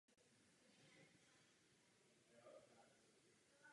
Díky tomu je počet vodičů adresní sběrnice potřebných pro připojení pamětí poloviční.